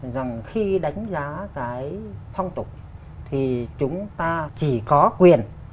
rằng khi đánh giá cái phong tục thì chúng ta chỉ có quyền